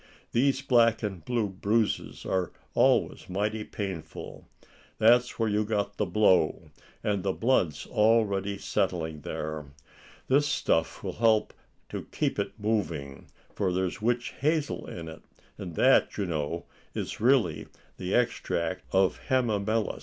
These black and blue bruises are always mighty painful. That's where you got the blow, and the blood's already settling there. This stuff will help to keep it moving, for there's witch hazel in it, and that, you know, is really the extract of hamamelis.